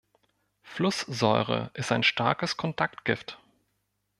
Flusssäure ist ein starkes Kontaktgift.